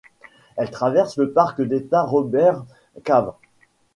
Elle traverse le parc d'État Robbers Cave.